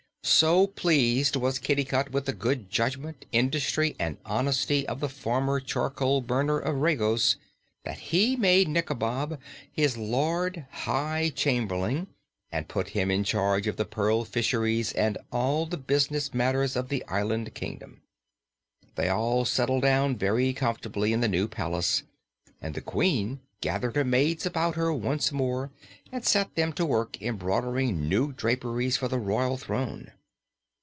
So pleased was Kitticut with the good judgment, industry and honesty of the former charcoal burner of Regos, that he made Nikobob his Lord High Chamberlain and put him in charge of the pearl fisheries and all the business matters of the island kingdom. They all settled down very comfortably in the new palace and the Queen gathered her maids about her once more and set them to work embroidering new draperies for the royal throne.